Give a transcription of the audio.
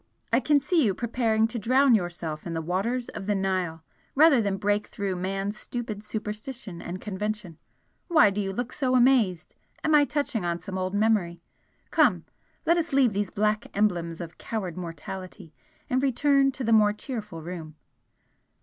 I can see you preparing to drown yourself in the waters of the Nile rather than break through man's stupid superstition and convention! Why do you look so amazed? Am I touching on some old memory? Come, let us leave these black embers of coward mortality and return to the more cheerful room."